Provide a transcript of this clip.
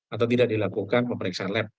atau tidak dilakukan pemeriksaan lab